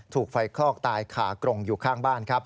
ถูกไฟคลอกตายขากรงอยู่ข้างบ้านครับ